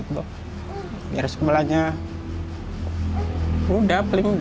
biar sekulahnya udah biar istri sehat aja yang penting gitu tuh